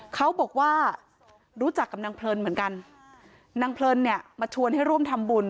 เขาบอกว่ารู้จักกับนางเพลินเหมือนกันนางเพลินเนี่ยมาชวนให้ร่วมทำบุญ